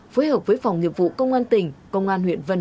phối hợp với phòng nghiệp vụ công an tỉnh công an huyện vân hồ